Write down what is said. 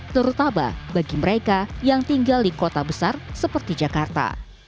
terutama bagi mereka yang tinggal di kota besar seperti jakarta